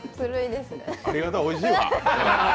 ありがとう、おいしいわ。